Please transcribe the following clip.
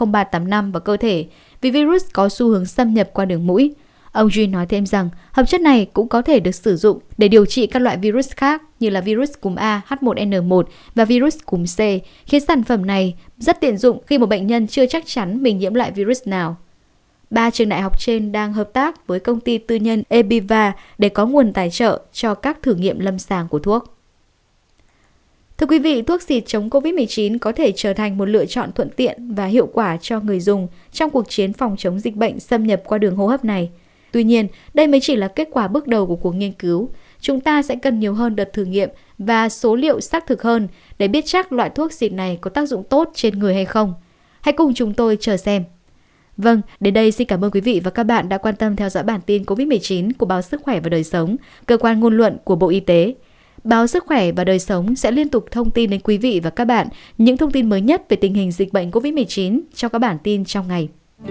báo sức khỏe và đời sống sẽ liên tục thông tin đến quý vị và các bạn những thông tin mới nhất về tình hình dịch bệnh covid một mươi chín cho các bản tin trong ngày